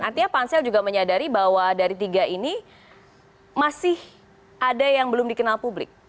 artinya pansel juga menyadari bahwa dari tiga ini masih ada yang belum dikenal publik